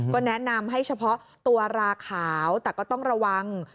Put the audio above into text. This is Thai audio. ก็แนะนำให้เฉพาะตัวราขาวแต่ก็ต้องระวัง